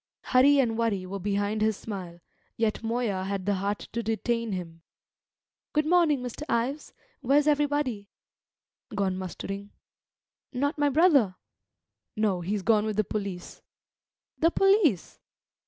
Hurry and worry were behind his smile. Yet Moya had the heart to detain him. "Good morning, Mr. Ives. Where's everybody?" "Gone mustering." "Not my brother?" "No; he's gone with the police." "The police."